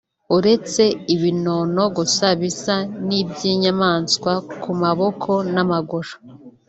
uretse ibinono gusa bisa n’iby’inyamaswa ku maboko n’amaguru